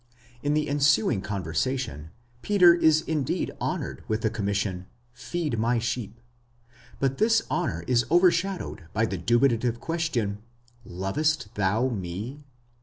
In the ensuing conversation, Peter is indeed honoured with the commission, Feed my sheep; but this honour is overshadowed by the dubitative question, Zovest thou me?